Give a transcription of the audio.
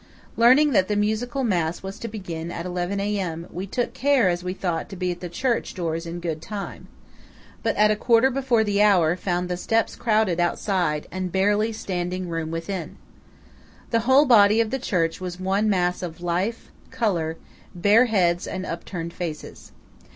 Learning that the musical mass was to begin at eleven A.M., we took care, as we thought, to be at the church doors in good time; but at a quarter before the hour found the steps crowded outside, and barely standing room within. The whole body of the church was one mass of life, colour, bare heads and upturned faces.